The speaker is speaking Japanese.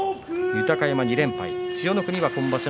豊山２連敗千代の国が今場所